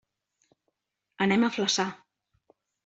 Anem a Flaçà.